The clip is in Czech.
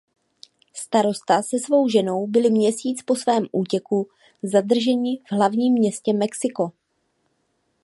Starosta se svou ženou byli měsíc po svém útěku zadrženi v hlavním městě Mexiko.